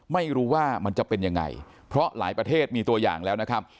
ไม่รู้ว่ามันจะเป็นยังไงเพราะหลายประเทศมีตัวอย่างแล้วนะครับ